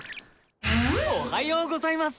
おはようございます！